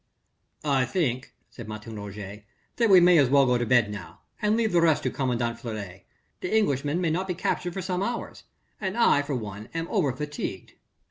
"I think," said Martin Roget, "that we may as well go to bed now, and leave the rest to commandant Fleury. The Englishman may not be captured for some hours, and I for one am over fatigued."